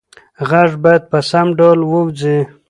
غږ باید په سم ډول ووځي.